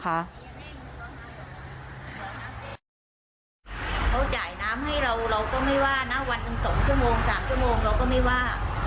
เขาจ่ายน้ำให้เราเราก็ไม่ว่านะวันหนึ่ง๒ชั่วโมง๓ชั่วโมงเราก็ไม่ว่า